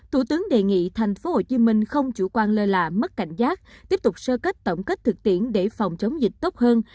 thủ tướng đề nghị tp hcm không chủ quan lơ là mất cảnh giác tiếp tục sơ kết tổng kết thực tiễn để phòng chống dịch tốt hơn